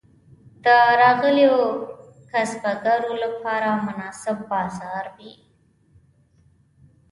د راغلیو کسبګرو لپاره مناسب بازار و.